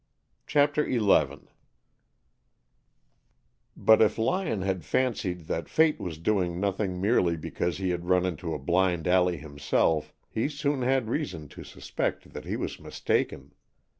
CHAPTER XI But if Lyon had fancied that Fate was doing nothing merely because he had run into a blind alley himself, he soon had reason to suspect that he was mistaken.